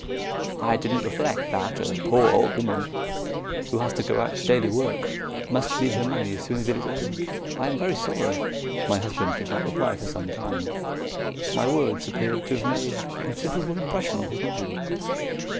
I didn't reflect that a poor old woman who has to go out to daily work must need her money as soon as it is earned. I am very sorry." My husband did not reply for some time. My words appeared to have made considerable impression on his mind.